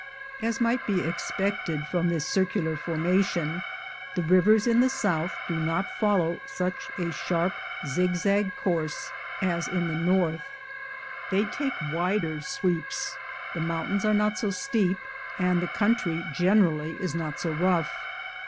As might be expected from this circular formation, the rivers in the south do not follow such a sharp zig 290 THE GOLD HUNTERS zag course as in the north ; they take wider sweeps : the mountains are not so steep, and the country generally is not so rough.